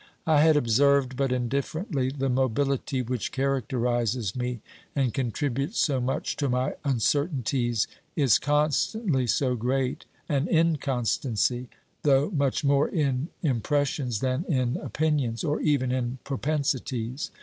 I had observed but indifferently the mobihty which characterises me and contributes so much to my uncer tainties, is constantly so great an inconstancy, though much more in impressions than in opinions, or even in propensities.